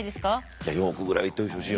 いや４億ぐらいいっといてほしい。